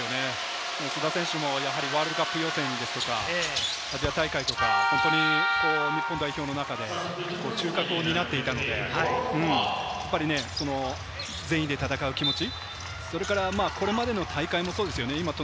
須田選手もワールドカップ予選、アジア大会とか、日本代表の中で中核を担っていたので、全員で戦う気持ち、それから、これまでの戦いもそうですよね。